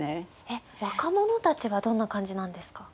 えっ若者たちはどんな感じなんですか？